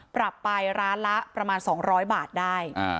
ปรับไปร้านละประมาณ๒๐๐บาทได้